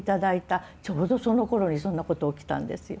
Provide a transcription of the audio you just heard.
ちょうどそのころにそんなこと起きたんですよ。